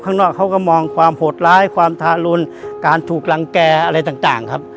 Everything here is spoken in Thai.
ข้างนอกเขาก็มองความโหดร้ายความทารุนการถูกรังแก่อะไรต่างครับ